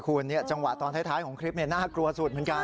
คุณจังหวะตอนท้ายของคลิปน่ากลัวสุดเหมือนกัน